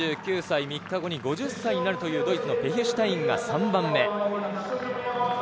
４９歳、３日後に５０歳になるというドイツのペヒシュタインが３番目。